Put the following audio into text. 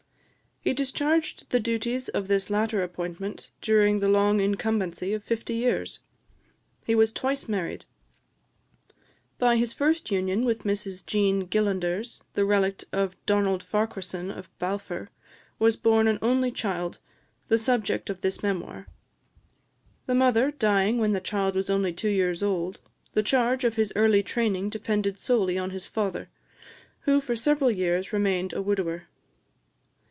He discharged the duties of this latter appointment during the long incumbency of fifty years. He was twice married. By his first union with Mrs Jean Gillanders, the relict of Donald Farquharson of Balfour, was born an only child, the subject of this memoir. The mother dying when the child was only two years old, the charge of his early training depended solely on his father, who for several years remained a widower.